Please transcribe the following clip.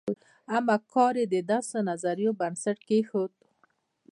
اما کار یې د داسې نظریو بنسټ کېښود.